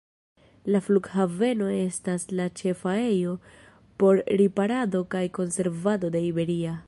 La flughaveno estas la ĉefa ejo por riparado kaj konservado de Iberia.